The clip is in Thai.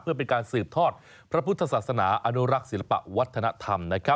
เพื่อเป็นการสืบทอดพระพุทธศาสนาอนุรักษ์ศิลปะวัฒนธรรม